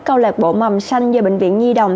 câu lạc bộ mầm xanh do bệnh viện nhi đồng